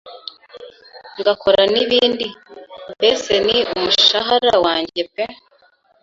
ngakora n’ibindi, mbese ni umushahara wanjye pe.